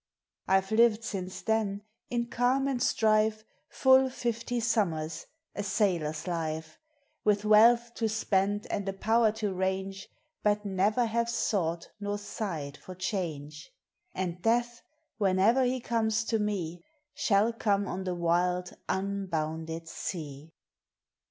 I 've lived since then, in calm and strife, Full fifty summers, a sailor's life, With wealth to spend and a power to range, But never have sought nor sighed for change; And Death, whenever he comes to me, Shall come on the wild, unbounded sea